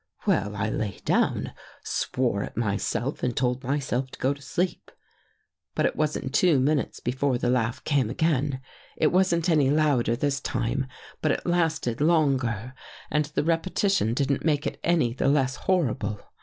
Well, I lay down, swore at myself and told mysdf to go to sleep. But it wasn't two minutes before the laugh came again. It wasn't any louder this time, but it lasted longer and the repetition 158 THROUGH THE GRILLE didn't make it any the less horrible.